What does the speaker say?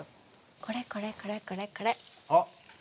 これこれこれこれこれ。